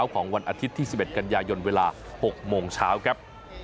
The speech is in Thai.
กันยายนเวลา๖โมงเช้าครับ